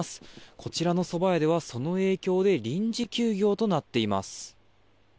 こちらのそば屋では、その影響で臨時休業となっています。